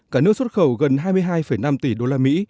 cả nước xuất khẩu gần hai mươi hai năm tỷ usd